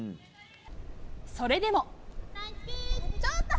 それでも。